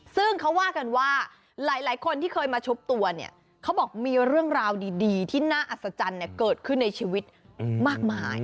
ซึ่งเขาว่ากันว่าหลายคนที่เคยมาชุบตัวเนี่ยเขาบอกมีเรื่องราวดีที่น่าอัศจรรย์เกิดขึ้นในชีวิตมากมาย